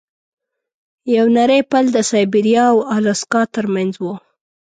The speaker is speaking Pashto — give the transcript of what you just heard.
یو نری پل د سایبریا او الاسکا ترمنځ و.